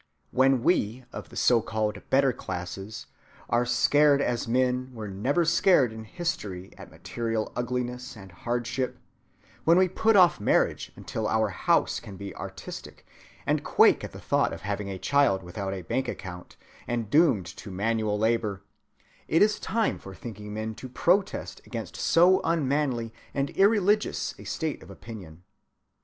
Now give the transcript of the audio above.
When we of the so‐called better classes are scared as men were never scared in history at material ugliness and hardship; when we put off marriage until our house can be artistic, and quake at the thought of having a child without a bank‐account and doomed to manual labor, it is time for thinking men to protest against so unmanly and irreligious a state of opinion.